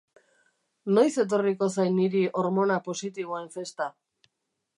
Noiz etorriko zait niri hormona positiboen festa?